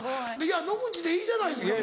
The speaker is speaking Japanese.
「野口」でいいじゃないですか。